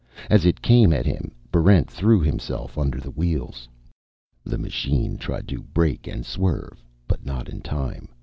As it came at him, Barrent threw himself under the wheels. The machine tried to brake and swerve, but not in time.